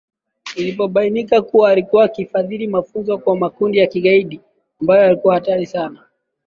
ilipobainika kuwa alikuwa akifadhili mafunzo kwa makundi ya kigaidi ambayo yalikuwa hatari sana kwa